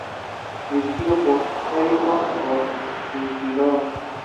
Dirigido por Enrico Castiglione.